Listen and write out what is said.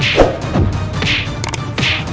aku akan terus memburumu